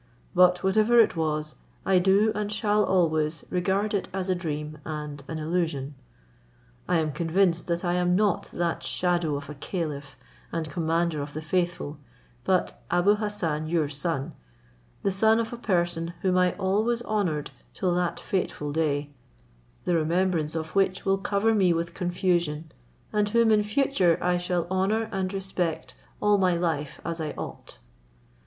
But whatever it was, I do, and shall always regard it as a dream and an illusion. I am convinced that I am not that shadow of a caliph and commander of the faithful, but Abou Hassan your son, the son of a person whom I always honoured till that fatal day, the remembrance of which will cover me with confusion, and whom in future I shall honour and respect all my life as I ought."